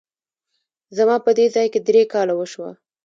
زما په دې ځای کي درې کاله وشوه !